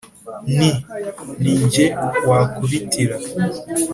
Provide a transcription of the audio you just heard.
nti : ni jye wakubitira